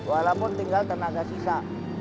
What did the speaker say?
walaupun tinggal tenaga sisa